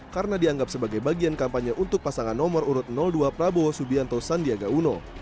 karena dianggap sebagai bagian kampanye untuk pasangan nomor urut dua prabowo subianto sandiaga uno